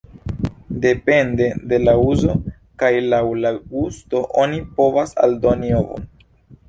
Depende de la uzo kaj laŭ la gusto oni povas aldoni ovon.